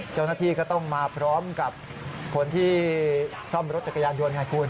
เจ้าหน้าที่ก็ต้องมาพร้อมกับคนที่ซ่อมรถจักรยานยนต์ไงคุณ